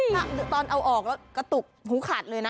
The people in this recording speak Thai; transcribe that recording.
ค์เล๑๘๐ตอนเอาออกกระตุกหูจะขาดเลยนะ